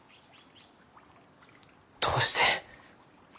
どうして？